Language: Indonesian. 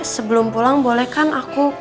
sebelum pulang boleh kan aku